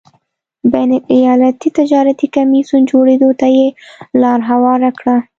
بین الایالتي تجارتي کمېسیون جوړېدو ته یې لار هواره کړه.